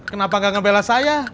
kenapa gak ngebelah saya